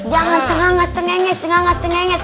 jangan cengangas cengenges cengangas cengenges